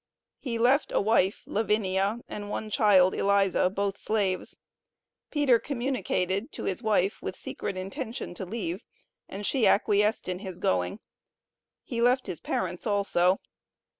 He left a wife Lavinia and one child, Eliza, both slaves. Peter communicated to his wife his secret intention to leave, and she acquiesced in his going. He left his parents also.